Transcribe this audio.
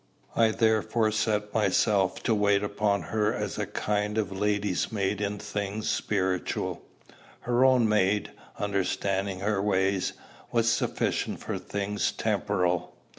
I therefore set myself to wait upon her as a kind of lady's maid in things spiritual. Her own maid, understanding her ways, was sufficient for things temporal.